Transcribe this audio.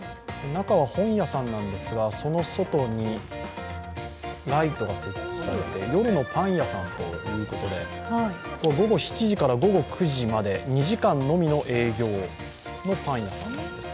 中は本屋さんなんですが、その外にライトが設置されて、夜のパン屋さんということで、午後７時から午後９時まで２時間のみの営業のパン屋さんなんです。